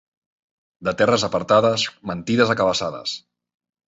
De terres apartades, mentides a cabassades.